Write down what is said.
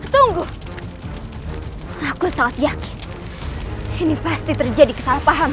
tunggu aku sangat yakin ini pasti terjadi kesalahpahaman